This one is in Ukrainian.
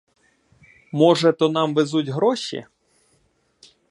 Може, то нам везуть гроші?